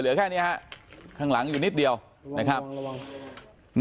เหลือแค่เนี้ยฮะข้างหลังอยู่นิดเดียวนะครับระวังระวัง